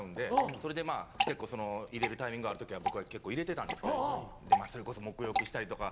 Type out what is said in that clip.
それで結構入れるタイミングある時は僕が結構入れてたんですけれどそれこそ沐浴したりとか。